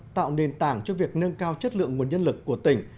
tạo nền tảng cho việc nâng cao chất lượng nguồn nhân lực của tỉnh